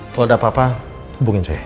kalau ada apa apa hubungin saya